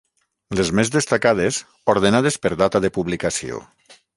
Les més destacades ordenades per data de publicació.